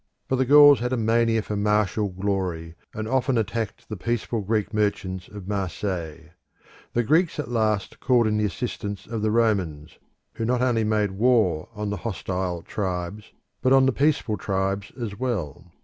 But the Gauls had a mania for martial glory, and often attacked the peaceful Greek merchants of Marseilles. The Greeks at last called in the assistance of the Romans, who not only made war on the hostile tribes, but on the peaceful tribes as well.